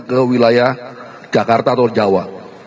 ke wilayah jakarta atau jawa